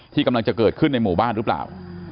กำลังจะเกิดขึ้นในหมู่บ้านหรือเปล่า